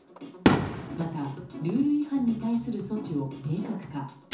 また、ルール違反に対する措置を明確化。